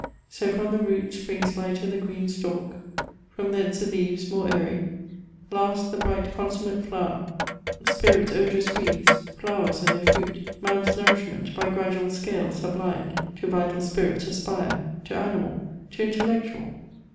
So from the root Springs lighter the green stalk, from thence the leaves More aery: last the bright consummate flower Spirits odorous breathes: flowers and their fruit, Man's nourishment, by gradual scale sublim'd, To vital spirits aspire: to animal: To intellectual!